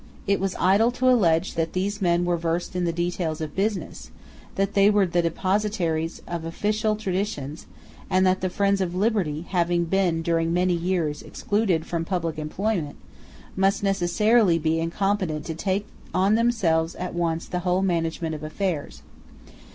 It was idle to allege that these men were versed in the details of business, that they were the depositaries of official traditions, and that the friends of liberty, having been, during many years, excluded from public employment, must necessarily be incompetent to take on themselves at once the whole management of affairs.